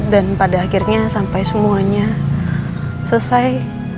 dan pada akhirnya sampai semuanya selesai